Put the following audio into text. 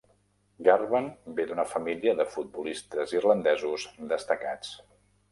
Garvan ve d'una família de futbolistes irlandesos destacats.